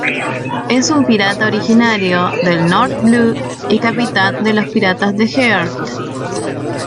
Es un pirata originario del North Blue y capitán de los piratas de Heart.